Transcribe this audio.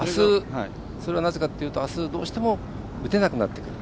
それは、なぜかというとあす、どうしても打てなくなってくる。